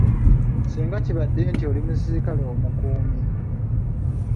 Singa kibadde nti oli muserikale omukuumi.